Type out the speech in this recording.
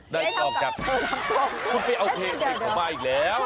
ได้ต่อกับโอเคถึงเขามาอีกแล้ว